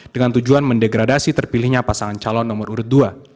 dengan tujuan mendegradasi terpilihnya pasangan calon nomor urut dua